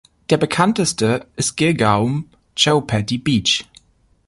Der bekannteste ist Girgaum-Chowpatty Beach.